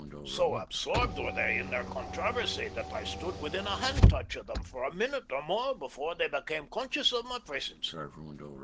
So absorbed were they in their controversy, that I stood within a hand touch of them for a minute or more before they became conscious of my presence.